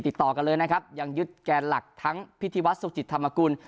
ติดต่อกันเลยนะครับยังยึดแกนหลักทั้งพิธีวัฒนสุจิตธรรมกุล